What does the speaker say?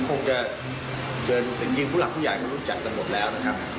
จะเสร็จจริงพุทธหลังผู้ใหญ่มันรู้จักกันหมดแล้วนะครับ